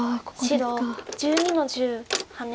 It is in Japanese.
白１２の十ハネ。